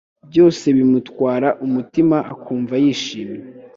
byose bimutwara umutima akumva yishimye